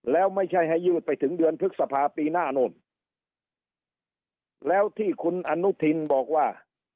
แล้วไม่ใช่ให้ยืดไปถึงเดือนพฤษภาปีหน้าโน่นแล้วที่คุณอนุทินบอกว่า